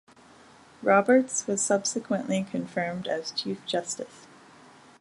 Roberts was subsequently confirmed as Chief Justice.